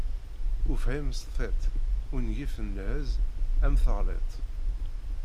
Ufhim s tiṭ, ungif s lhezz am teɣliḍt.